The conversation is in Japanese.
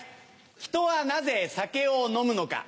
人はなぜ酒を飲むのか？